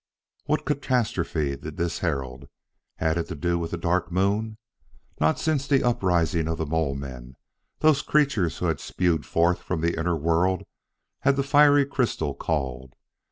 What catastrophe did this herald? Had it to do with the Dark Moon? Not since the uprising of the Mole men, those creatures who had spewed forth from the inner world, had the fiery crystal called!...